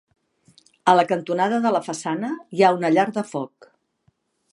A la cantonada de la façana hi ha una llar de foc.